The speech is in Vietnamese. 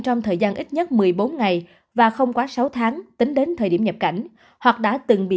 trong thời gian ít nhất một mươi bốn ngày và không quá sáu tháng tính đến thời điểm nhập cảnh hoặc đã từng bị